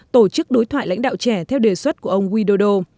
tổ chức đối thoại lãnh đạo trẻ theo đề xuất của ông widodo